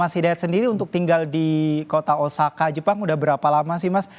mas hidayat sendiri untuk tinggal di kota osaka jepang udah berapa lama sih mas